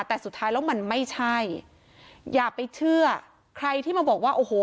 แต่สุดท้ายแล้วมันไม่ใช่อย่าไปเชื่อใครที่มาบอกว่าโอ้โห